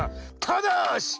ただし！